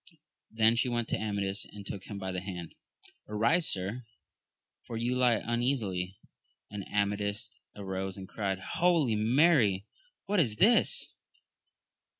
Then she went to Amadis, and took him by the hand !— Arise, Sir, for you lie un easily ? and Amadis arose and cried, Holy Mary ! what is this